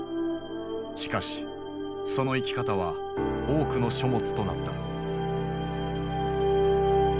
しかしその生き方は多くの書物となった。